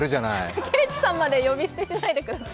竹内さんまで呼び捨てしないでください。